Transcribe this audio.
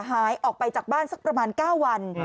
หายออกไปจากบ้านสักประมาณ๙วัน